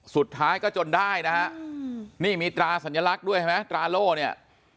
สุดท้ายก็จนได้นะฮะนี่มีตราสัญลักษณ์ด้วยเห็นไหมตราโล่เนี่ย